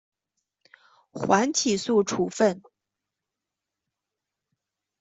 缓起诉处分。